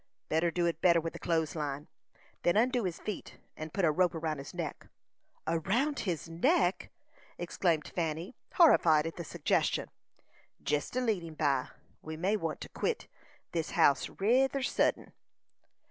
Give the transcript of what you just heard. "Better do it better with the clothes line. Then undo his feet, and put a rope round his neck." "Around his neck!" exclaimed Fanny, horrified at the suggestion. "Jest to lead him by. We may want to quit this house reyther suddin."